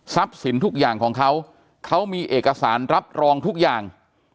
สินทุกอย่างของเขาเขามีเอกสารรับรองทุกอย่าง